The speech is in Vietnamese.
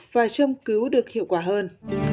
và châm cứu được hiệu quả hơn